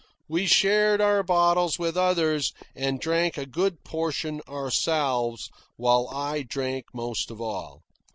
We shared our bottles with others, and drank a good portion ourselves, while I drank most of all.